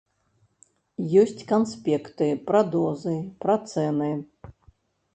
Ёсць канспекты пра дозы, пра цэны.